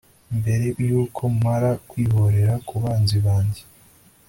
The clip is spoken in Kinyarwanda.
mbere y'uko mara kwihorera ku banzi banjye